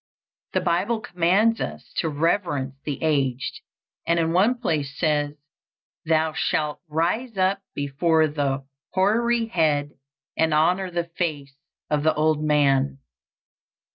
The Bible commands us to reverence the aged, and in one place says, "Thou shalt rise up before the hoary head, and honor the face of the old man."